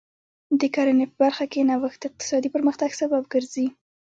د کرنې په برخه کې نوښت د اقتصادي پرمختګ سبب ګرځي.